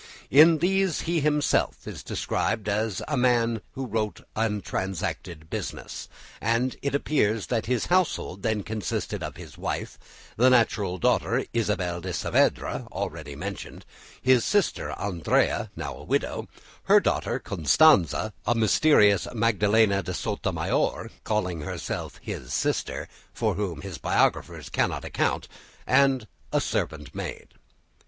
In these he himself is described as a man who wrote and transacted business, and it appears that his household then consisted of his wife, the natural daughter Isabel de Saavedra already mentioned, his sister Andrea, now a widow, her daughter Constanza, a mysterious Magdalena de Sotomayor calling herself his sister, for whom his biographers cannot account, and a servant maid.